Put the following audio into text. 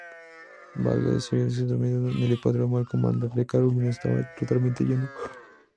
Valga decir que ese domingo el Hipódromo El Comandante, de Carolina, estaba totalmente lleno.